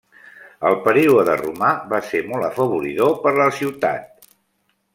El període romà va ser molt afavoridor per a la ciutat.